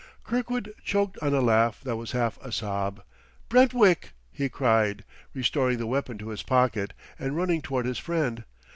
Kirkwood choked on a laugh that was half a sob. "Brentwick!" he cried, restoring the weapon to his pocket and running toward his friend.